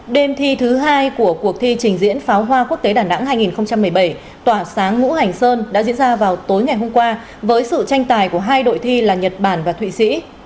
đêm thi thứ hai của cuộc thi trình diễn pháo hoa quốc tế đà nẵng hai nghìn một mươi bảy tỏa sáng ngũ hành sơn đã diễn ra vào tối ngày hôm qua với sự tranh tài của hai đội thi là nhật bản và thụy sĩ